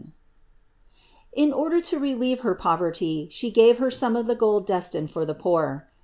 In order to relieve her poverty She gave her some of the gold destined for the poor.